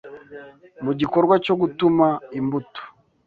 Mu gikorwa cyo gutuma imbuto